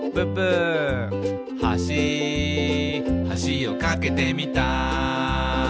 「はしはしを架けてみた」